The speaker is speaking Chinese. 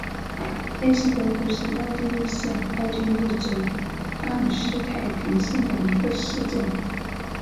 恩斯多夫是奥地利下奥地利州阿姆施泰滕县的一个市镇。